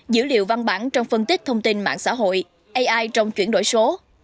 dữ liệu văn bản trong phân tích thông tin mạng xã hội ai trong chuyển đổi số